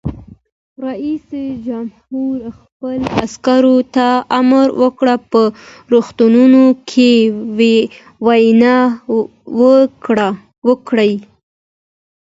رئیس جمهور خپلو عسکرو ته امر وکړ؛ په روغتونونو کې وینه ورکړئ!